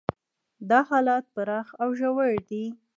دا حالات پراخ او ژور دي.